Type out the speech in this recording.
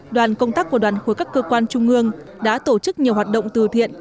đoàn công tác của đoàn khối các cơ quan trung ương đã tổ chức nhiều hoạt động từ thiện